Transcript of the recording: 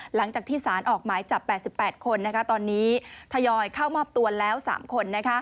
หลังจากที่สารออกหมายจับ๘๘คนตอนนี้ทยอยเข้ามอบตัวแล้ว๓คน